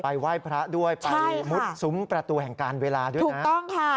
ไหว้พระด้วยไปมุดซุ้มประตูแห่งการเวลาด้วยนะถูกต้องค่ะ